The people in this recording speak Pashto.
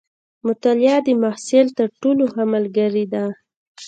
مطالعه د محصل تر ټولو ښه ملګرې ده.